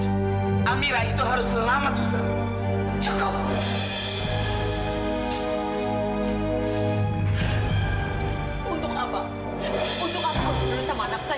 amira itu harus selamat suster